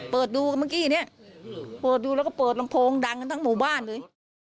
เปิดดูเมื่อกี้เนี่ยเปิดดูแล้วก็เปิดลำโพงดังกันทั้งหมู่บ้านเลย